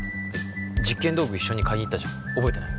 実験道具一緒に買いに行ったじゃん覚えてない？